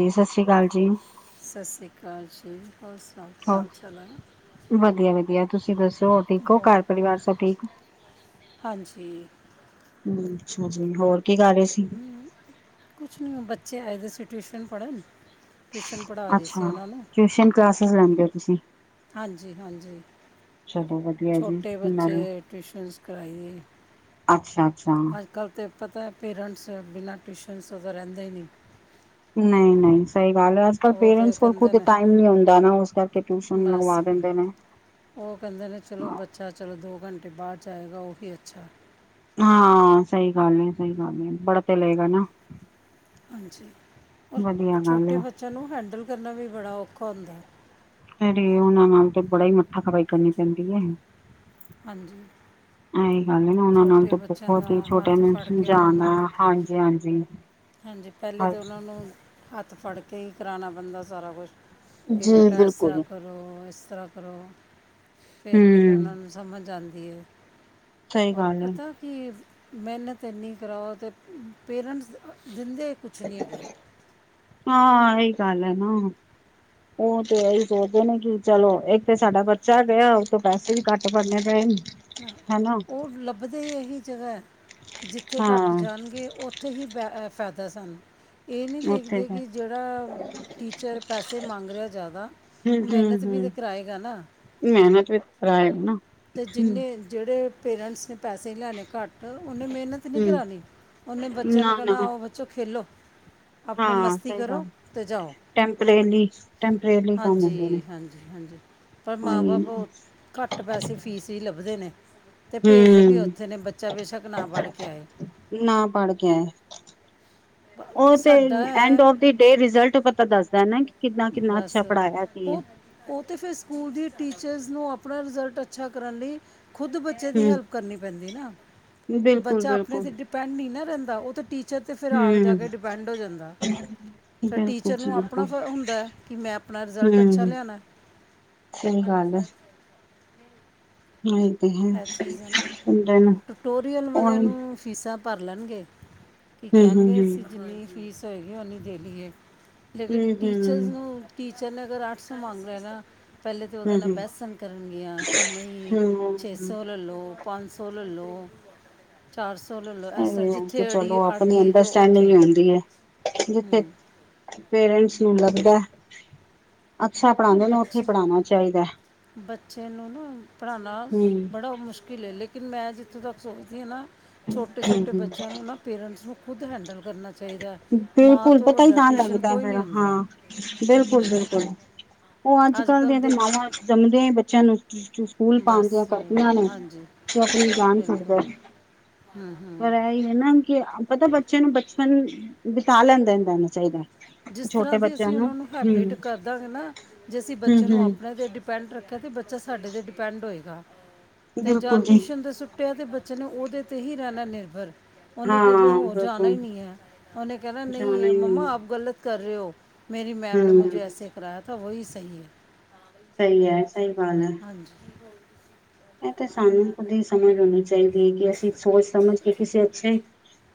ਦੀ ਸਤਿ ਸ੍ਰੀ ਅਕਾਲ ਜੀ। ਸਤਿ ਸ਼੍ਰੀ ਅਕਾਲ ਜੀ ਹੋਹ ਸੁਣਾਓ ਕਿ ਹਾਲ ਚਾਲ ਹੈ। ਵਧੀਆ-ਵਧੀਆ ਤੁਸੀਂ ਦੱਸੋ ਹੋ ਠੀਕ ਹੋ ਹੋਰ ਘਰ ਪਰਿਵਾਰ ਸਭ ਠੀਕ ਹਾਂਜੀ ਅੱਛਾ ਜੀ ਹੋਰ ਕੀ ਕਰ ਰਹੇ ਸੀ। ਕੁਛ ਨਹੀਂ ਹੋ ਬੱਚੇ ਆਏ ਦੇ ਸੀ ਟਿਊਸ਼ਨ ਪੜ੍ਹਨ ਟਿਊਸ਼ਨ ਪੜ੍ਹਾ ਰਹੀ ਸੀ ਅੱਛਾ ਉਹਨਾਂ ਨੂੰ ਟਿਊਸ਼ਨ ਕਲਾਸਿਸ ਲੈਂਦੇ ਹੋ ਤੁਸੀਂ ਹਾਂਜੀ- ਹਾਂਜੀ ਚਲੋ ਵਧੀਆ ਜੀ ਛੋਟੇ ਨਾਲੇ ਬੱਚੇ ਟਊਸ਼ਨਸ ਕਰਈਏ। ਅੱਛਾ -ਅੱਛਾ ਪਤਾ ਪੇਰੈਂਟਸ ਬਿਨਾਂ ਟਿਊਸ਼ਨਸ ਤੋਂ ਤਾਂ ਰਹਿੰਦੇ ਹੀ ਨਹੀਂ। ਨਹੀਂ- ਨਹੀਂ ਸਹੀ ਗੱਲ ਹੈ ਅੱਜ ਕਲ ਉਹ ਤੇ ਪੇਰੈਂਟਸ ਕੋਲ ਕੁ ਕਹਿੰਦੇ ਨੇ ਟਾਈਮ ਨਹੀਂ ਹੁੰਦਾ ਨਾ ਉਸ ਟਿਊਸ਼ਨ ਬਸ ਲਗਵਾ ਦਿੰਦੇ ਨੇ ਉਹ ਕਹਿੰਦੇ ਨੇ ਚਲੋ ਬੱ ਅੱਛਾ ਚਲੋ ਦੋ ਘੰਟੇ ਬਾਅਦ ਜਾਏਗਾ ਉ ਕੇ ਅੱਛਾ ਹਾਂ ਸਹੀ ਗੱਲ ਹੈ- ਸਹੀ ਗੱਲ ਹੈ ਪੜ ਤੇ ਲਏ ਗਾ ਨਾ। ਅੱਛਾ ਔਰ ਵਧੀਆ ਗੱਲ ਛੋਟੇ ਹੈ ਬੱਚਿਆਂ ਨੂੰ ਹੈਂਡਲ ਕਰਨਾ ਵੀ ਬੜਾ ਔਖਾ ਹੁੰਦਾ। ਫੜ ਉਹਨਾਂ ਨਾਲ ਤੇ ਬੜਾ ਹੀ ਮੱਥਾ ਖਪਾਈ ਕਰਨੀ ਪੈਂਦੀ ਏ। ਹਾਂਜੀ ਇਹੀ ਗੱਲ ਉਹਨਾਂ ਨਾਲ ਛੋਟੇ ਤਾਂ ਬੱਚਿਆਂ ਭੁੱਖ ਦਾ ਤੇ ਛੋਟਿਆਂ ਹੱਥ ਨੂੰ ਫੜ ਕੇ ਉਹਨਾਂ ਸਮਝਾਣਾ ਨੂੰ ਹਾਂਜੀ- ਹਾਂਜੀ। ਹਾਂਜੀ ਪਹਿਲੇ ਤਾਂ ਉਹਨਾਂ ਨੂੰ ਹੱਥ ਫੜ ਕੇ ਹੀ ਕਰਾਉਣਾ ਪੈਂਦਾ ਸਾਰਾ ਕੁਛ ਕਿ ਜੀ ਬੇਟਾ ਇ ਬਿਲਕੁਲ। ਸਰਾਂ ਕਰ। ਕਰੋ ਇਸ ਤਰ੍ਹਾਂ ਕਰੋ ਹੂੰ ਫਿਰ ਕਹਿੰਦੇ ਉਹਨਾਂ ਨੂੰ ਸਮਝ ਆਂਦੀ ਏ। ਸਹੀ ਔਰ ਗੱਲ ਹੈ ਪਤਾ ਕਿ ਮਿਹਨਤ ਐਨੀ ਕਰਾਓ ਤਾਂ ਪੇਰੈਂਟਸ ਦਿੰਦੇ ਕੁਛ ਨਹੀਂ ਹੈਗੇ। ਹਾਂ ਇਹੀ ਗੱਲ ਹੈ ਨਾ। ਉਹ ਤੇ ਇਹੀ ਸੋਚਦੇ ਨੇ ਕਿ ਚਲੋ ਇੱਕ ਤੇ ਸਾਡਾ ਬੱਚਾ ਗਿਆ ਉਥੋਂ ਪੈਸੇ ਵੀ ਘੱਟ ਭਰਨੇ ਪੈਨ। ਉਹ ਲੱਭਦੇ ਇਹੀ ਜਗ੍ਹਾ ਕਿ ਜਿੱਥੇ ਘੱਟ ਹਾਂ ਜਾਣਗੇ ਉ ਉ ਹੀ ਬੈ ਫਾਇਦਾ ਸਾਨੂੰ ਇਹ ਨਹੀਂ ਉੱਥੇ ਦੇਖਦੇ ਫਿਰ ਕਿ ਜਿਹੜਾ ਟੀਚਰ ਪੈਸੇ ਮੰਗ ਰਿਹਾ ਜ਼ਿਆਦਾ ਮਿਹਨਤ ਵੀ ਤੇ ਹੂੰ-ਹੂੰ-ਹੂੰ ਕਰਾਏਗਾ ਨਾ। ਮਿਹਨਤ ਵੀ ਕਰਾਏਗਾ ਨਾ। ਤੇ ਹੂੰ। ਜਿੰਨੇ ਜਿਹੜੇ ਪੇਰੈਂਟਸ ਪੈਸੇ ਲੈਣੇ ਘੱਟ ਉਹਨੇ ਮਿਹਨਤ ਨਹੀਂ ਹੂੰ ਕਰਾਣੀ ਉਹਨੇ ਬੱਚਿਆਂ ਨੂੰ ਕਹਿਣਾ ਨਾ-ਨਾ ਆਉ ਬੱ ਚੋ ਖੇਲੋ ਆਪਣੇ ਹਾਂ ਮਸਤੀ ਸਹੀ ਕਰੋ ਗੱਲ। ਅਤੇ ਜਾਓ। ਟੈਂਪਰੇਲੀ-ਟੈਂਪਰੇਲੀ ਕੰਮ ਹੁੰਦੇ ਨੇ ਹਾਂਜੀ- ਹਾਂਜੀ -ਹਾਂਜੀ ਪਰ ਮਾਂ ਉਹੀ ਹੈ ਬਾਪ ਨਾ ਘੱਟ ਪੈਸੇ ਫੀਸ ਹੀ ਲੱਭਦੇ ਨੇ। ਅਤੇ ਭੇਜਦੇ ਵੀ ਹੂੰ ਉਥੇ ਨੇ ਬੱਚਾ ਬੇਸ਼ੱਕ ਨਾ ਪੜ੍ਹ ਕੇ ਆਏ। ਨਾ ਪੜ੍ਹ ਕੇ ਆਏ ਉਹ ਤੇ ਸਾਡਾ ਐਂਡ ਹੈ। ਆਫ ਦੀ ਡੇ ਰਿਜ਼ਲਟ ਪਤਾ ਦੱਸਦਾ ਨਾ। ਕਿੰਨਾ ਕਿੰਨਾ ਬਸ ਅੱਛਾ ਪੜ੍ਹਾਇਆ ਕੀ ਹੈ ਉਹ ਉਹ ਤਾਂ ਫਿਰ ਸਕੂਲ ਦੀ ਟੀਚਰਸ ਨੂੰ ਆਪਣਾ ਰਿਜ਼ਲਟ ਅੱਛਾ ਕਰਨ ਲਈ ਖੁਦ ਬ ਬੱਚੇ ਦੀ ਹੈਲਪ ਹੂੰ ਕਰਨੀ ਪੈਂਦੀ ਨਾ ਬਿਲਕੁਲ ਬੱਚਾ ਆਪਣੇ ਬਿਲਕੁਲ ਤੇ ਡਿਪੈਂਡ ਨਹੀਂ ਨਾ ਰਹਿੰਦਾ ਉਹ ਤਾ ਟੀਚਰ ਟੀਚਰ ਤੇ ਫਿਰ ਆ ਜਾ ਹੂੰ ਕੇ ਡਿਪੈਂਡ ਹੋ ਜਾਂਦਾ ਫਿਰ ਬਿਲਕੁਲ ਟੀਚਰ ਜੀ ਨੂੰ ਆਪਣਾ ਬਿਲਕੁਲ ਹੁੰ ਦਾ ਕਿ ਮੈਂ ਆਪਣਾ ਰਿਜ਼ਲਟ ਅੱਛਾ ਹੂੰ ਲਿਆਣਾ। ਸਹੀ ਗੱਲ ਹੈ। ਆਏ ਤੇ ਹੈ ਇਹ ਚੀਜ਼ ਹੈ ਨਾ ਬੰਦੇ ਨੂੰ ਟਟੋਰੀਅਲ ਵਾਲਿਆਂ ਉਹੀ ਨੂੰ ਫੀਸਾਂ ਭਰ ਲੈਣਗੇ ਕੀ ਹੂੰ ਹੂੰ ਕਹਿਣਗੇ ਹੂੰ ਅਸੀਂ ਜਿੰਨੀ ਫੀਸ ਤਾਂ ਹੈਗੀ ਉਹ ਨਹੀਂ ਦੇਣੀ ਹੈ ਲੇਕਿਨ ਹੂੰ ਟੀਚਰਸ ਨੂੰ। ਟੀਚਰ ਨੇ ਅਗਰ ਅੱਠ ਸੌ ਮੰਗ ਰਿਹਾ ਨਾ ਪਹਿਲੇ ਤਾਂ ਉਹਦੇ ਹੂੰ ਨਾਲ ਬਹਿਸਣ ਕਰਨਗੀਆਂ ਕਿ ਨਹੀਂ। ਹੂੰ ਹੂੰ ਛੇ ਹੂੰ ਸੌ। ਲੈ ਲਓ ਪੰਜ ਸੌ ਲੈ ਲਓ। ਚਾਰ ਸੌ ਲੈ ਲਓ ਇਸ ਤ ਇਹ ਤੇ ਜਿੱਥੇ ਅੜੀ ਚਲੋ ਅੜ ਆਪਣੀ ਗਈ ਤੇ ਅੰਡਰਸਟੈਂਡਿੰਗ ਉੱਥੇ ਹੀ ਹੁੰਦੀ ਹੈ ਹੁ। ਜਿੱਥੇ ਪੇਰੈਂਟਸ ਨੂੰ ਲੱਭਦਾ ਅੱਛਾ ਇਹ ਪੜ੍ਹਾਉਂਦੇ ਨੇ ਉੱਥੇ ਬੱਚੇ ਪੜਾਉਣਾ ਚਾਹੀਦਾ ਹੈ। ਬੱਚੇ ਨੂੰ ਨਾ ਪੜ੍ਹਾਉਣਾ ਬੜਾ ਮੁਸ਼ਕਿਲ ਹੈ ਲੇਕ ਲੇਕਿਨ ਮੈਂ ਜਿੱਥੋਂ ਤੱਕ ਸੋਚਦੀ ਹਾਂ ਨਾ ਛੋਟੇ ਹੂੰ ਛੋਟੇ ਹੂੰ ਬੱਚਿਆਂ ਨੂੰ ਨਾ ਪੇਰੈਂਟਸ ਨੂੰ ਖੁਦ ਹੈਂਡਲ ਕਰਨਾ ਚਾਹੀਦਾ। ਮਾਂ ਬਿਲਕੁਲ ਤੋਂ ਪਤਾ ਹੀ ਵੱਡਾ ਤਾਂ ਟਿਊਸ਼ਨ ਲੱਗਦਾ ਕੋਈ ਹੈ ਨਹੀਂ ਹੁੰਦਾ ਹਾਂ। ਬਿਲਕੁਲ ਬਿਲਕੁਲ ਉਹ ਅੱਜ ਕਲ ਕੱਲ ਦੀਆਂ ਤੇ ਦੇਖ ਮਾਵਾਂ ਜੰਮਦੇ ਬੱਚਿਆਂ ਨੂੰ। ਸਕੂਲ ਬਸ ਪਾਉਣਦਿਆਂ ਕਰਦੀਆਂ ਨੇ ਹਾਂਜੀ ਤੇ ਆਪਣੀ ਜਾਨ ਬਿਲਕੁਲ ਛੱਡਦੇ ਹੂੰ ਹੂੰ ਪਰ ਇਹੀ। ਹਨ ਨਾ ਕਿ ਆਪਤਾ ਬੱਚਿਆਂ ਨੂੰ ਬਚਪਨ ਬਿਤਾ ਲੈਂਦਾਦਾਣਾ ਚਾਹੀਦਾ। ਜਿਸ ਤਰ੍ਹਾਂ ਛੋਟੇ ਦੀ ਬੱਚਿਆਂ ਅਸੀਂ ਉਹਨਾਂ ਨੂੰ ਹਮ ਹੈਬਿਟ ਕਰਦਾਂਗੇ ਨਾ ਜੇ ਅਸੀਂ ਹਮ ਬੱਚੇ ਨੂੰ ਹਮ ਆਪਣੇ ਦੇ ਬੱਚਾ ਸਾਡੇ ਤੇ ਡਿਪੈਂਡ ਹੋਏਗਾ ਤੇ ਜਾਂ ਬਿਲਕੁਲ ਜੀ ਟਿਊ ਤੇ ਸੁੱਟਿਆ ਤੇ ਉਹਦੇ ਤੇ ਹੀ ਰਹਿਣਾ ਨਿਰਭਰ। ਉਹਨੇ ਹਾਂ ਕਿਸੇ ਲਈ ਹੋਰ ਜਾਣਾ ਬਿਲਕੁਲ ਹੀ ਨਹੀਂ ਹੈ ਉਹਨੇ ਕਹਿਣਾ ਜਾਣਾ ਨਹੀਂ ਹੀ ਮੰਮਾ ਆਪ ਹੈ। ਗਲਤ ਕਰ ਰਹੇ ਹੋ। ਮੇਰੀ ਮੈਮ ਨੇ ਮੁਝੇ ਹਮ ਐਸੇ ਕਰਾਇਆ ਤਾਂ ਵਹੀ ਸਹੀ ਹੈ। ਸਹੀ ਹੈ ਸਹੀ ਗੱਲ ਹੈ। ਹਾਂ। ਇਹ ਤੇ ਸਾਨੂੰ ਕੁ ਦੀ ਸਮੇ ਰਣ ਸੀ। ਹੈ ਕਿ ਅਸੀਂ ਸੋਚ ਸਮਝ ਕੇ ਕਿਸੇ ਅੱਛੇ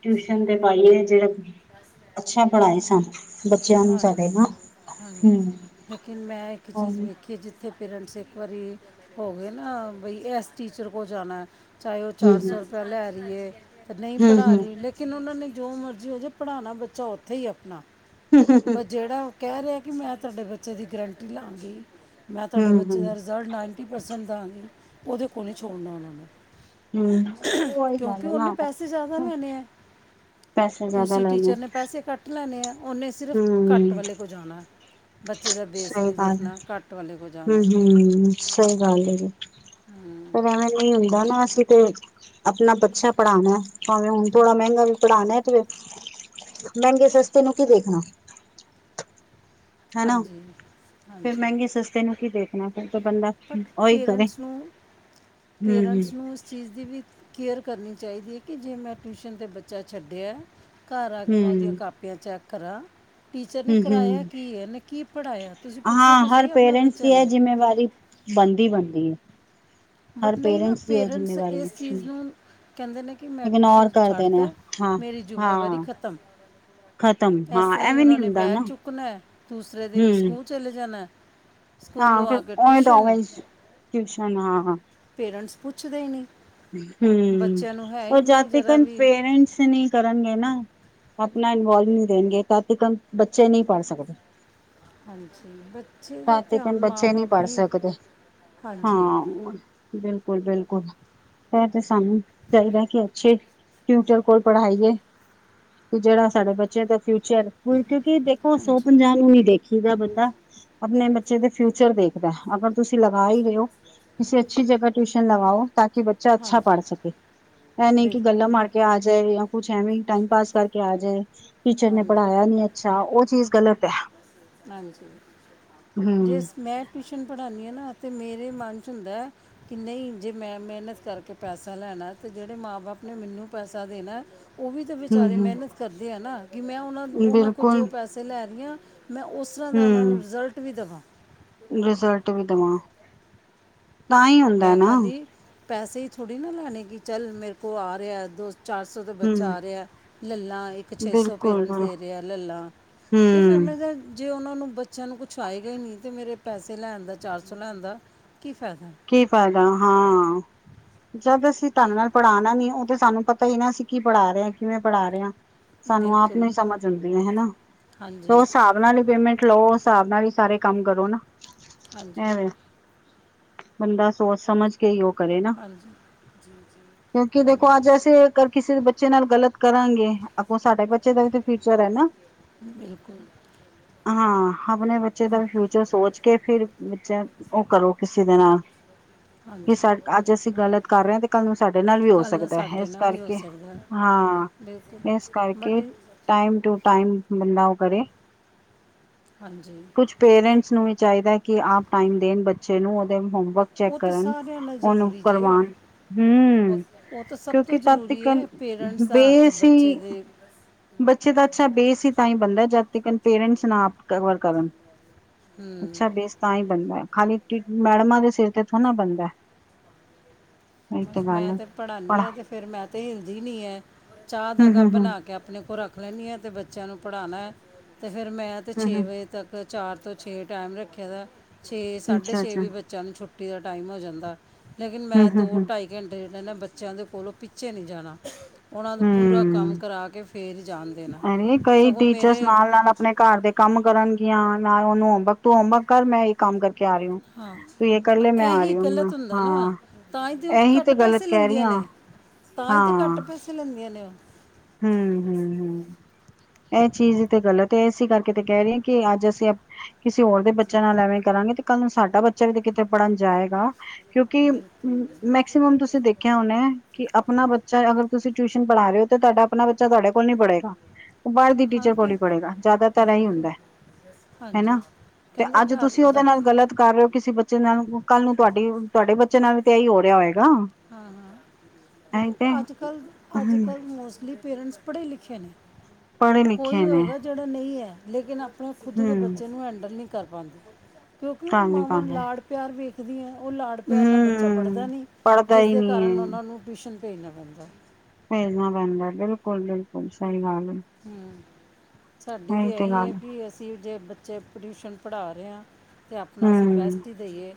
ਟਿਊਸ਼ਨ ਤੇ ਪਾਈਏ ਜਿਹੜਾ ਅੱਛਾ ਪੜ੍ਹਾਏ ਸਨ। ਹਾਂਜੀ ਹਾਂਜੀ ਹਮ ਲੇਕਿਨ ਮੈਂ ਇੱਕ ਚੀਜ਼ ਹਮ ਵੇਖੀ ਜਿੱ ਇੱਥੇ ਪੇਰੈਂਟਸ ਇੱਕ ਵਾਰੀ ਹੋ ਗਏ ਨਾ ਬਈ ਇਸ ਟੀਚਰ ਕੋਲ ਜਾਣਾ ਚਾਹੇ ਉਹ ਚਾਰ ਹਮ ਸੌ ਰੁਪਇਆ ਲੈ ਰਹੀ ਹੈ ਤੇ ਨਹੀਂ ਪੜ੍ਹਾ ਰਹੀ ਕਿਨ ਉਹਨਾਂ ਨੇ ਜੋ ਮਰਜ਼ੀ ਹੋ ਜਾਵੇ ਪੜ੍ਹਾਉਣਾ ਬੱਚਾ ਉੱਥੇ ਹੀ ਆਪਣਾ। ਪਰ ਹੂੰ-ਹੂੰ-ਹੂੰ-ਹੂੰ-ਹੂੰ-ਹੂੰ ਜਿਹੜਾ ਉਹ ਕਹਿ ਰਿਹਾ ਕਿ ਮੈਂ ਤੁਹਾਡੇ ਬੱਚੇ ਦੀ ਗਰੰਟੀ ਲਾਵਾਂਗੀ ਮੈਂ ਤੁਹਾਡੇ ਬੱਚੇ ਦਾ ਰਿਜ਼ਲਟ ਨਾਈਨਟੀ ਪਰਸੈਂਟ ਦਾ ਆਾਂ ਗ ਉਹਦੇ ਕੋਲ ਨਹੀਂ ਛੋੜਨਾ ਉਹਨਾਂ ਨੂੰ। ਉਹੀ ਗੱਲ ਕਿਉਂਕਿ ਹੈ ਉਹਨੇ ਨਾ ਪੈਸੇ ਜ਼ਿਆਦਾ ਲੈਣੇ ਹੈ। ਪੈਸੇ ਜ਼ਿਆਦਾ ਤੁਸੀਂ ਲੈਣੇ ਟੀਚਰ ਨੇ ਪੈਸੇ ਕੱਟ ਲੈਣੇ ਆ ਉਹਨੇ ਸਿਰਫ਼ ਕੱਟ ਹੂੰ ਵਾਲੇ ਕੋਲ ਜਾਣਾ। ਬੱਚੇ ਦਾ ਬੇਸ ਸਹੀ ਨਹੀਂ ਗੱਲ ਹੈ ਦੇਖਣਾ ਘੱਟ ਵਾਲੇ ਕੋਲ ਜਾਣਾ। ਹੂੰ-ਹੂੰ ਹਾ। ਪਰ ਐਵੇ ਨ ਹੁੰਦਾ ਨਾ ਅਸੀਂ ਤੇ ਆਪਣਾ ਬੱਚਾ ਪੜ੍ਹਾਉਣਾ ਭਾਵੇਂ ਹੁਣ ਥੋੜ੍ਹਾ ਮਹਿੰਗਾ ਵੀ ਪੜ੍ਹਾਉਣਾ ਤੇ ਫ ਮਹਿੰਗੇ ਸਸਤੇ ਨੂੰ ਕੀ ਦੇਖਣਾ। ਹਨਾ ਹਾਂਜੀ ਫਿਰ ਹਾਂਜੀ ਮਹਿੰਗੇ ਸਸਤੇ ਨੂੰ ਕੀ ਦੇਖਣਾ ਫਿਰ ਬੰਦਾ ਬਟ ਉਹੀ ਕਰੇ ਪੇਰੈਂਟਸ ਨੂੰ ਪੇਰੈਂਟਸ ਨੂੰ ਇਸ ਚੀਜ਼ ਦੀ ਵੀ ਕੇਅਰ ਕਰਨੀ ਚਾਹੀਦੀ ਹੈ ਕਿ ਜੇ ਮੈਂ ਟਿਊਸ਼ਨ ਤੇ ਬੱਚਾ ਛੱਡਿਆ ਘਰ ਆ ਕੇ ਮੈਂ ਉਹਦੀਆਂ ਹੂੰ-ਹੂੰ-ਹੂੰ-ਹੂੰ-ਹੂੰ ਕਾਪ ਤੇ ਐ ਚੈਕ ਕਰਾ। ਟੀਚਰ ਨੇ ਕਰਾਏਆ ਕੀ ਏ ਏਨੇ ਕੀ ਪੜਾਏਆ ਤੂਸੀ ਪੁੱਛੋ ਹਾਂ ਤੇ ਹਰ ਸਈ ਅਪਨੇ ਪੇਰੈਂਟਸ ਦੀ ਬੱਚੇ ਇਹ ਨੂੰ। ਜਿੰਮੇਵਾਰੀ ਬਾਨਦੀ ਬਾਨਦੀ ਏ ਬਟ ਨਈ ਨਾ ਪੇਰੈਂਟਸ ਜਿੰਮੇਵਾਰੀ ਇਸ ਹੈ। ਚੀਜ਼ ਨੂੰ ਕੈਂਦੇ ਨੇ ਕਿ ਮੈਂ ਇਗਨੋਰ ਟਿਊਸ਼ਨਸ ਕਰਦੇ ਨੇ ਛੱਡਤੈ ਹਾਂ ਮੇਰੀ ਜ਼ਿੰਮੇਵਾਰੀ ਹਾਂ ਖਤਮ। ਖਤਮ ਏਸ ਹਾਂ ਤਰਾਂ ਈ ਐਵੇਂ ਓਨਾਂ ਨੀ ਨੇ ਹੁੰਦਾ ਬੈਗ ਨਾ ਚੁੱਕਨੈ ਦੂਸਰੇ ਦਿਨ ਹੂੰ ਸਕੂਲ ਚਲੇ ਜਾਨ ਹਾਂ ਫੇਰ ਓਵੇਂ ਦਾ ਓਵੇਂ ਈ ਟਊਸ਼ਨ ਹਾਂ ਪੇਰੈਂਟਸ ਪੁੱਛਦੇ ਹੀ ਨਹੀਂ। ਹਮ ਬੱਚਿਆਂ ਨੂੰ ਹੈ ਹੀ ਉਹ ਨਹੀਂ ਜਾਤੀ ਕ ਜਰਾ ਵੀ ਪੇਰੈਂਟਸ ਨੇ। ਕਰਨਗੇ ਨਾ ਆਪਣਾ ਇਨਵੋਲਮੈਂਟ ਦੇਣਗੇ ਤਾਂ ਕਿ ਬੱਚੇ ਨਹੀਂ ਪੜ੍ਹ ਸਕਦੇ ਹਾਂਜੀ ਬੱਚੇ ਦਾ ਤਦ ਧਿਆਨ ਤੀਕਨ ਮਾਂ ਬੱਚੇ ਨਹੀਂ ਬਾਪ ਪੜ੍ਹ ਹੀ ਸਕਦੇ ਹਾਂਜੀ ਹਾਂ ਬਿਲਕੁਲ ਬਿਲਕੁਲ ਫਿਰ ਤੇ ਸਾਨੂੰ ਚਾਹੀਦਾ ਕਿ ਅੱਛੇ ਟੀਚਰ ਕੋਲ ਪੜ੍ਹਾਈਏ ਤੇ ਜਿਹੜਾ ਸਾਡੇ ਬੱਚਿਆਂ ਦਾ ਫਿਊਚਰ ਕਿਉਂਕਿ ਦੇਖੋ ਸੌ ਹਾਂਜੀ ਪੰਜਾਹ ਨੂੰ ਨੀ ਦੇਖ ਉਦਾ ਬੰਦਾ ਆਪਣੇ ਬੱਚੇ ਦੇ ਫਿਊਚਰ ਦੇਖਦਾ ਅਗਰ ਤੁਸੀਂ ਲਗਾ ਹੀ ਰਹੇ ਹੋ ਕਿਸੇ ਅੱਛੀ ਜਗਾ ਟਿਊਸ਼ਨ ਲਵਾਓ ਤਾਂ ਕਿ ਬੱਚਾ ਅੱਛਾ ਪੜ੍ਹ ਹਾਂਜੀ ਸਕੇ ਇਹ ਨਹੀਂ ਕਿ ਗੱਲਾਂ ਬਿਲਕੁਲ ਮਾਰ ਕੇ ਆ ਜਾਏ ਜਾਂ ਕੁਛ ਐਵੇਂ ਟਾਈਮ ਪਾਸ ਕਰਕੇ ਆ ਜਾਏ ਟੀਚਰ ਨੇ ਹਾਂਜੀ ਪੜ੍ਹਾਇਆ ਨੀ ਅੱਛਾ, ਉਹ ਚੀਜ਼ ਗਲਤ ਹੈ। ਹਾਂਜੀ, ਹਮ ਜਿਸ ਮੈਂ ਟਿਊਸ਼ਨ ਪੜਾਨੀ ਆ ਨਾ ਤੇ ਮੇਰੇ ਮਨ ਚ ਹੁੰਦਾ ਕਿ ਨਹੀਂ ਜੇ ਮੈਂ ਮਿਹਨਤ ਕਾਰਕੇ ਪੈਸਾ ਲੈਣਾ ਤੇ ਜੇੜੇ ਮਾਂ ਬਾਪ ਨੇ ਮੈਨੂੰ ਪੈਸਾ ਦੇਨਾ ਓ ਵੀ ਤੇ ਹਮ ਵਿਚਾਰੇ ਹਮ ਮਿਹਨਤ ਕਰਦੇ ਹੈ ਨਾ ਕਿ ਮੈਂ ਓਨਾਂ ਓਨਾਂ ਕੋਲ ਜੋ ਬਿਲਕੁਲ ਪੈਸੇ ਲੈ ਰੀ ਆਂ ਮੈਂ ਉਸ ਉਸ ਤਰਾਂ ਦਾ ਓਨਾਂ ਨੂੰ ਹਮ ਰਿਜ਼ਲਟ ਵੀ ਦਿਖਾਵਾਂ। ਰਿਜ਼ਲਟ ਵੀ ਦਵਾਂ। ਮੈਂ ਖਾਲੀ ਪੈਸੇ ਈ ਥੋੜੀ ਨਾ ਲੈਨੇ ਕਿ ਚੱਲ ਮੇਰੇ ਕੋ ਆ ਰਿਹਾ ਦੋਸਤ ਚਾਰ ਸੌ ਦਾ ਬੱਚਾ ਹਮ ਆ ਰਿਹਾ ਲੈਲਾ ਇਕ ਪਿੱਛੇ ਬਿਲਕੁਲ ਸਪੇਰਨ ਫਿਲਰ ਆ ਲੈ ਲਾ ਤੇ ਫਿਰ ਹਮ ਮੈਂ ਤਾਂ ਜੇ ਓਨਾਂ ਨੂੰ ਬੱਚੇ ਨੂੰ ਕੁਛ ਆਏਗਾ ਈ ਨੀ ਤੇ ਮੇਰੇ ਪੈਸੇ ਲੈਨ ਦਾ ਚਾਰ ਸੌ ਲੈਨ ਦਾ ਕੀ ਫਾਇਦਾ ਕੀ ਫਾਇਦਾ ਹਾਂ ਜਦ ਅਸੀ ਜੀ ਢੰਗ ਨਾਲ ਪੜਾਨਾ ਨੀ ਓ ਤੇ ਸਾਨੂੰ ਪਤਾ ਕਈ ਨਾ ਅਸੀਂ ਕੀ ਪੜਾ ਰੇ ਆਂ, ਕਿਵੇਂ ਪੜਾ ਰੇ ਆਂ ਸਾਨੂੰ ਆਪ ਬਿਲਕੁਲ ਨੂੰ ਈ ਸਮਝ ਆਉਂਦੀ ਏ ਹੇਨਾ ਤੇ ਹਾਂਜੀ ਉਸ ਹਿਸਾਬ ਪਤਾ ਨਹੀਂ ਪੇਮੈਂਟ ਲੋ ਹਿਸਾਬ ਨਾਲ ਹੀ ਸਾਰੇ ਕੰਮ ਕਰੋ ਨਾ। ਹਾਂਜੀ। ਐਵੇਂ ਬੰਦਾ ਸੋਚ ਸਮਜ ਕੇ ਓ ਕਰੇ ਨਾ। ਜੀ, ਜੀ। ਕਿਉਂਕਿ ਦੇਖੋ ਅੱਜ ਅਸੀਂ ਅਗਰ ਕਿਸੇ ਦੇ ਬੱਚੇ ਨਾਲ ਗਲਤ ਕਰਾਂਗੇ ਅਗੋ ਸਾਡੇ ਬੱਚੇ ਦਾ ਵੀ ਤਾਂ ਫਿਊਚਰ ਹੈ ਨਾ। ਬਿਲਕੁਲ। ਹਾਂ ਅਪਣੇ ਬੱਚੇ ਦਾ ਫਿਊਚਰ ਸੋਚ ਕੇ, ਫਿਰ ਬੱਚਾ ਓ ਕਰੋ ਕਿਸ ਅੱਛੇ ਦਿਨ ਆਣ ਕਿ ਹਾਂਜੀ ਅੱਜ ਅਸੀਂ ਗਲਤ ਕਾਰ ਰੇ ਆਂ ਤੇ ਕੱਲ ਨੂੰ ਸਾਡੇ ਨਾਲ ਵੀ ਹੋ ਕੱਲ੍ਹ ਨਾ ਸਕਦਾ ਸਾਡੇ ਇਸ ਨਾਲ ਵੀ ਹੋ ਕਾਰਕੇ ਸਕਦਾ ਹੈ, ਹਾਂ ਇਸ ਕਰਕੇ [unintelligible] ਟਾਈਮ ਟੂ ਟਾਈਮ ਬੰਦਾ ਓ ਕਰੇ ਹਾਂਜੀ। ਕੁਛ ਪੇਰੈਂਟਸ ਨੂੰ ਵੀ ਚਾਹੀਦਾ ਕਿ ਆਪ ਟਾਈਮ ਦੇਨ ਬੱਚੇ ਨੂੰ ਉਦੇ ਹੋਮਵਰਕ ਚੈਕ ਉਹ ਤਾਂ ਕਰਨ, ਸਾਰਿਆਂ ਨਾਲ ਓਨੂੰ ਜ਼ਰੂਰੀ ਜੇ ਕਰਵਾਨ ਉਹ ਹੂ ਉਹ ਤਾਂ ਸਭ ਤੋਂ ਕਿਉਂਕਿ ਤੱਤੀ ਜ਼ਰੂਰੀ ਹੈ ਕੱਲ ਪੇਰੈਂਟਸ ਦਾ ਹੱਥ ਬੇਸ ਬੱਚੇ ਸੀ ਦੇ ਬੱਚੇ ਤਾਂ ਅੱਛਾ ਬੇਸ ਈ ਤਾਂਈ ਬੰਦਾ ਜਾਦ ਤਕਨ ਪੇਰੈਂਟਸ ਨਾ ਕਵਰ ਕਰਨ। ਹੂੰ ਅੱਛਾ ਬੇਸ ਤਾਂਈ ਬੰਦਾ ਖਾਲੀ ਮੈੜਮਾਂ ਦੇ ਸਿਰ ਤੇ ਥੋੜੀ ਬਨਦ। ਬਸ ਮੈਂ ਤੇ ਪੜ੍ਹਾਉਂਦੀ ਹਾਂ ਤੇ ਫਿਰ ਮੈ ਤਾਂ ਹਿਲਦੀ ਨਹੀਂ ਹੈ। ਚਾਹ ਦਾ ਹਮ ਕੱਪ ਹਮ ਹਮ ਬਣਾ ਕੇ ਆਪਣੇ ਕੋਲ ਰੱਖ ਰੱਖ ਲੈਂਦੀ ਹਾਂ ਅਤੇ ਬੱਚਿਆਂ ਨੂੰ ਪੜ੍ਹਾਉਣਾ ਤੇ ਫਿਰ ਮੈਂ ਤਾਂ ਹਮ ਛੇ ਹਮ ਵਜੇ ਤੱਕ ਚਾਰ ਤੋਂ ਛੇ ਟਾਈਮ ਰੱਖੇ ਦਾ ਛੇ ਸਾਢੇ ਅੱਛਾ ਛੇ ਅੱਛਾ ਵੀੇ ਚੱਲ ਛੁੱਟੀ ਦਾ ਟਾਈਮ ਹੋ ਜਾਂਦਾ ਲੇਕਿਨ ਹਮ ਮੈਂ ਦੋ ਹਮ ਹਮ ਇਕ ਘੰਟੇ ਡਨ ਹੈ ਬੱਚਿਆਂ ਦੇ ਕੋਲੋਂ ਪਿੱਛੇ ਨਹੀਂ ਜਾਣਾ ਉਹਨਾਂ ਦਾ ਪੂਰਾ ਹਮ ਕੰਮ ਕਰਾ ਕੇ ਫਿਰ ਜਾਣ ਦੇਣਾ ਅਰੇ ਕਈ ਸਗੋਂ ਟੀਚਰਸ ਮੇਰੇ ਨਾਲ-ਨਾਲ ਆਪਣੇ ਘਰ ਦੇ ਕੰਮ ਕਰਨਗੀਆਂ ਨਾਲ ਉਹਨੂੰ ਹੋਮਵਰਕ ਟੂ ਹੋਮਵਰਕ ਕਰ ਮੈਂ ਇਹ ਕੰਮ ਕਰਕੇ ਆ ਰਹੀ ਹੂ ਹਾਂ ਇਹੀ ਗਲਤ ਹੁੰਦਾ ਨਾ ਹਾਂ ਤਾਂ ਹੀ ਤਾਂ ਉਹ ਇਹੀ ਘੱਟ ਤੇ ਪੈਸੇ ਗਲਤ ਕਹਿ ਰਹੀ ਲੈਂਦੀਆਂ ਹਾਂ ਨੇ ਤਾਂ ਈ ਤੇ ਘੱਟ ਪੈਸੇ ਲੈਂਦੀਆਂ ਨੇ ਓ ਹੂ, ਹੂ, ਹੂ। ਏ ਚੀਜ ਤੇ ਗਲਤ ਏ ਏਸੀ ਕਾਰਕੇ ਤੇ ਕੈਰੀ ਆਂ ਕਿ ਆੱਜ ਅਸੀ ਅਪ ਕਿਸੇ ਹੋਰ ਦੇ ਬੱਚੇਆਂ ਨਾਲ ਐਵੇਂ ਕਰਾਂਗੇ, ਤੇ ਕਾਲ ਨੂੰ ਸਾਡਾ ਬੱਚਾ ਵੀ ਤੇ ਕਿਤੇ ਪੜਨ ਜਾਏਗਾ ਕਿਉਂਕਿ ਬਿਲਕੁਲ ਮੈਕਸੀਮਮ ਤੂਸੀ ਦੇਖੇਆ ਹੋਨਾ, ਕਿ ਅਪਨਾ ਬੱਚਾ ਅਗਰ ਤੂਸੀ ਟਵੀਸ਼ਨ ਪੜਾ ਰੇ ਓ ਤੇ ਤੂਆਡਾ ਅਪਨਾ ਬੱਚਾ ਤੂਆਡੇ ਕੋਲ ਨੀ ਪੜੇਗਾ ਓ ਬਾਰ ਦੀ ਹਾਂ ਟੀਚਰ ਕਿ ਕੋਲ ਈ ਪੜੇਗਾ ਜਾਦਾਤਰ ਏਈ ਬਿਲਕੁਲ ਹੁੰਦੈ। ਹਾਂਜੀ ਹੇਨਾ, ਤੇ ਕਹਿੰਦੇ ਆੱਜ ਘਰ ਤੂਸੀ ਓਦੇ ਦਾ ਨਾਲ ਗਲਤ ਕਾਰ ਰੇ ਓ ਕਿਸੀ ਬ ਬੱਚੇ ਨਾਲ ਕਾਲ ਨੂੰ ਤੁਆਡੀ, ਤੁਹਾਡੇ ਬੱਚੇ ਨਾਲ ਵੀ ਤੇ ਏਈ ਹੋ ਰੇਆ ਹੋਏਗਾ। ਹਾਂ, ਹਾਂ ਇਹੀ ਦੇਖੋ ਤੇ ਆਜ ਕਲ, ਅਜ ਹਮ ਕਲ ਮੋਸਟਲੀ ਪੇਰੈਂਟਸ ਪੜੇ ਲਿੱਖੇ ਨੇ, ਪੜ੍ਹੇ ਲਿਖੇ ਕੋਈ ਨੇ ਹੋਏਗਾ ਜੇੜਾ ਨਈ ਹੈ, ਲੇਕਿਨ ਆਪ ਅਪਨੇ ਖੁਦ ਦੇ ਹਮ ਬੱਚੇ ਨੂੰ ਹੈਂਡਲ ਨੀ ਕਾਰ ਪਾਂਦੇ, ਕਿਉਂਕਿ ਓ ਕਰ ਨੀ ਮਾਵਾਂ ਪਾਉਂਦੇ ਲਾਡ ਪੇਆਰ ਵੇਖਦੀ ਐ, ਓ ਲਾੜ ਪੇਆ ਨਾਲ ਬੱਚਾ ਪੜਦਾ ਹਮ ਨਈ, ਪੜ੍ਹਦਾ ਜਿਸ ਹੀ ਦੇ ਨਹੀਂ ਕਾਰਨ ਹੈ ਓਨਾਂ ਨੂੰ ਟਿਊਸ਼ਨ ਭੇਜਨਾ ਪੈਦਾ ਭੇਜਣਾ ਪੈਂਦਾ ਬਿਲਕੁਲ ਬਿਲਕੁਲ ਸਹੀ ਗੱਲ ਹੈ। ਹਮ ਸਾਡੀ ਤਾਂ ਤੇ ਇਹੀ ਹੈ ਗੱਲ ਕਿ ਅਸੀਂ ਜੇ ਬ ਬੱਚੇ ਟਿਊਸ਼ਨ ਪੜ੍ਹਾ ਰਹੇ ਹਾਂ ਅਤੇ ਆਪਣਾ ਅਸੀਂ ਹਮ ਬੈਸਟ ਹੀ ਦੇਈਏ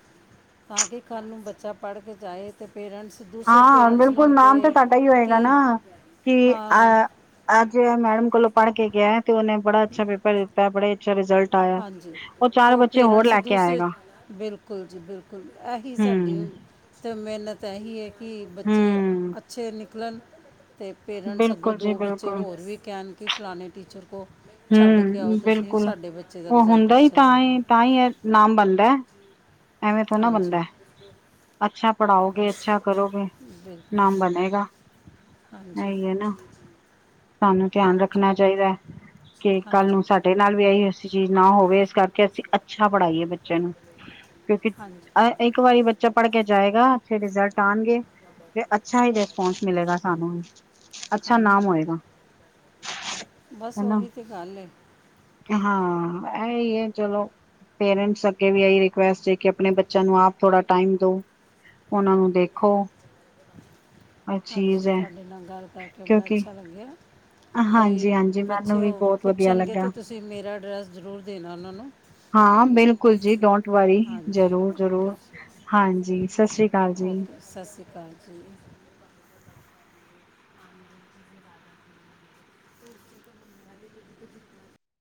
ਤਾਂ ਕਿ ਘਰ ਨੂੰ ਬੱਚਾ ਪੜ੍ਹ ਕੇ ਜਾਾਹੇ ਅਤੇ ਪੇਰੈਂਟਸ ਦੂਸਰੇ ਹਾਂ ਪੇਰੈਂਟਸ ਨੂੰ ਬਿਲਕੁਲ ਵੀ ਨਾਮ ਤਾਂ ਕਹੇ ਸਾਡਾ ਹੀ ਹੋਏਗਾ ਕਿ ਨਾ ਕਿ ਹਾਂ ਅ ਅੱਜ ਮੈਡਮ ਕੋਲੋਂ ਪੜ੍ਹ ਕੇ ਗਿਆ ਤੇ ਉਹਨੇ ਬੜਾ ਅੱਛਾ ਪੇਪਰ ਦਿੱਤਾ ਬੜੇ ਅੱਛਾ ਰਿਜ਼ਲਟ ਹਾਂਜੀ ਉਹ ਅਤੇ ਚਾਰ ਬੱਚੇ ਹੋਰ ਪੇਰੈਂਟਸ ਲੈ ਕੇ ਦੂਸਰੇ ਆਏਗਾ। ਬਿਲਕੁਲ ਜੀ ਬਿਲਕੁਲ ਇਹੀ ਸਾਡੇ ਹਮ ਅਤੇ ਮਿਹਨਤ ਇਹੀ ਹੈ ਕਿ ਬੱਚੇ ਹਮ ਅੱਛੇ ਨਿਕਲਣ ਅਤੇ ਪੇਰੈਂਟਸ ਅੱਗੋਂ ਬਿਲਕੁਲ ਜੀ ਦੋ ਬੱਚੇ ਬਿਲਕੁਲ ਹੋਰ ਵੀ ਕਹਿਣ ਕਿ ਫਲਾਣੇ ਟੀਚਰ ਕੋਲ ਛੱਡ ਕੇ ਆਓ ਹੂੰ ਤੁਸੀਂ ਬਿਲਕੁਲ ਸਾਡੇ ਬੱਚੇ ਦਾ ਉਹ ਰਿਜ਼ਲਟ ਹੁੰਦਾ ਹੀ ਅੱਛਾ ਤਾਂ ਸੀਗਾ। ਹੀ ਤਾਂ ਨਾਮ ਬਣਦਾ। ਐਵੇਂ ਥੋੜ ਨਾ ਹਾਂਜੀ ਬਣਦਾ। ਅੱਛਾ ਪੜ੍ਹਾਓਗੇ ਬਸ ਅੱਛਾ ਕਰੋਗੇ ਬਿਲਕੁਲ ਨਾਮ ਬਣੇਗਾ। ਹਾਂਜੀ। ਇਹੀ ਹੈ ਨਾ ਸਾਨੂੰ ਧਿਆਨ ਹੋਰ ਜੀ ਰੱਖਣਾ ਚਾਹੀਦਾ ਕਿ ਕੱਲ ਨੂੰ ਹਾਂਜੀ ਸਾ ਸਾਡੇ ਨਾਲ ਵੀ ਇਹੀ ਅਸੀ ਚੀਜ਼ ਨਾ ਹੋਵੇ ਇਸ ਕਰਕੇ ਅਸੀਂ ਅੱਛਾ ਪੜ੍ਹਾਈਏ ਬੱਚੇ ਨੂੰ ਕਿਉਂਕਿ ਹਾਂਜੀ ਇੱਕ ਵਾਰੀ ਬੱਚਾ ਪੜ੍ਹ ਕੇ ਜਾਏਗਾ ਅੱਛੇ ਰਿਜ਼ਲਟ ਟਣਗੇ ਤੇ ਅੱਛਾ ਹੀ ਰਿਸਪੋਂਸ ਮਿਲੇਗਾ ਸਾਨੂੰ ਹੀ ਅੱਛਾ ਨਾਮ ਹਾਂਜੀ ਹੋਏਗਾ। ਬਸ ਹਨਾ ਉਹੀ ਤਾਂ ਗੱਲ ਹਾਂ ਇਹ ਹੀ ਹੈ ਚਲੋ। ਪੇਰੈਂਟਸ ਅੱਗੇ ਵੀ ਇਹੀ ਰਿਕੁਸਟ ਕਿ ਆਪਣੇ ਬੱਚਿਆਂ ਨੂੰ ਆਪ ਥੋੜਾ ਟਾਈਮ ਦੋ। ਉਹਨਾਂ ਨੂੰ ਦੇਖੋ। ਇਹ ਚੀਜ਼ ਹਾਂਜੀ ਹੈ ਤੁਹਾਡੇ ਨਾਲ ਗੱਲ ਕਰਕੇ ਬੜਾ ਕਿਉਂਕਿ ਅੱਛਾ ਲੱਗਿਆ। ਕੋਈ ਹਾਂਜੀ ਹਾਂਜੀ ਮੈਨੂੰ ਬੱਚੇ ਵੀ ਹੋ ਬਹੁਤ ਵਧੀਆ ਪੁੱਛਣਗੇ ਤਾਂ ਲੱਗਾ ਤੁਸੀਂ ਮੇਰਾ ਐਡਰੈਸ ਜ਼ਰੂਰ ਦੇਣਾ ਉਹਨਾਂ ਨੂੰ ਹਾਂ ਬਿਲਕੁਲ ਜੀ ਡੋਂਟ ਵਰੀ ਹਾਂਜੀ ਜ਼ਰੂਰ ਜ਼ਰੂਰ ਓਕੇ ਜੀ ਹਾਂਜੀ ਸਤਿ ਸ਼੍ਰੀ ਓਕੇ ਸਤਿ ਸ਼੍ਰੀ ਅਕਾਲ ਜੀ।